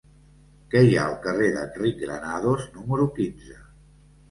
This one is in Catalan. Què hi ha al carrer d'Enric Granados número quinze?